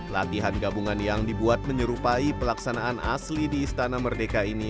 latihan gabungan yang dibuat menyerupai pelaksanaan asli di istana merdeka ini